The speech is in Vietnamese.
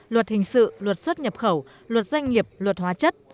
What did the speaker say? luật hình sự luật xuất nhập khẩu luật doanh nghiệp luật hóa chất